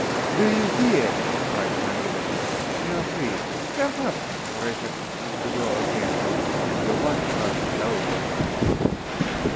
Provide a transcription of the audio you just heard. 'Do you hear?' cried the man with a curse. 'You are free. Jump up, or I shut the door again, and your one chance is over.